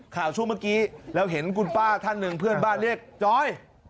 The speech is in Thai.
ช่วงเมื่อกี้เราเห็นคุณป้าท่านหนึ่งเพื่อนบ้านเรียกจอย